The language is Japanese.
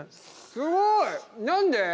すごい！何で？